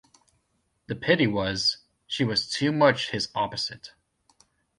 The pity was, she was too much his opposite.